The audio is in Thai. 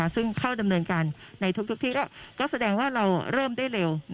ซึ่งเข้าดำเนินการในทุกที่ก็แสดงว่าเราเริ่มได้เร็ว